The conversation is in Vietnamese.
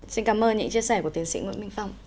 xin cảm ơn những chia sẻ của tiến sĩ nguyễn minh phong